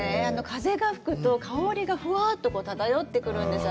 風が吹くと、香りがふわっと漂ってくるんです。